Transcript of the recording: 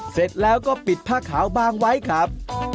เสร็จแล้วก็ปิดผ้าขาวบางไว้ครับ